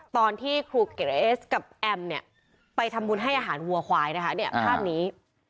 ตอนที่ครูเกรเอสกับแอมเนี่ยไปทำบุญให้อาหารวัวควายนะคะเนี่ยภาพนี้